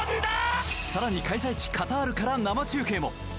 更に開催地カタールから生中継も。